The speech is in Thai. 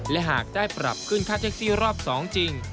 และหากได้ปรับขึ้นค่าแท็กซี่รอบ๒จริง